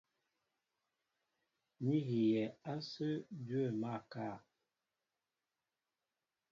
Ní hiyɛ̌ ásə̄ dwə̂ máál kâ.